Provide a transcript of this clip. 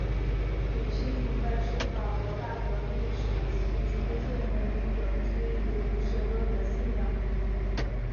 理性崇拜是法国大革命时期出现的一种基于无神论的信仰。